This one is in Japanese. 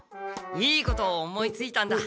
いいことを思いついたんだ。